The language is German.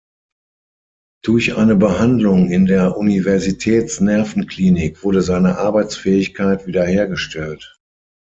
Durch eine Behandlung in der Universitätsnervenklinik wurde seine Arbeitsfähigkeit wiederhergestellt.